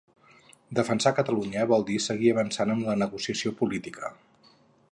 Defensar Catalunya vol dir seguir avançant en la negociació política